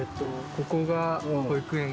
ここが保育園？